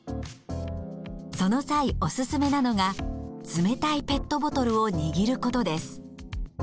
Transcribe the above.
その際おすすめなのが冷たいペットボトルを握ることです。